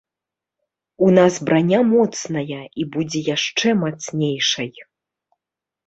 У нас браня моцная, і будзе яшчэ мацнейшай.